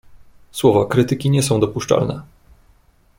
"Słowa krytyki nie są dopuszczalne."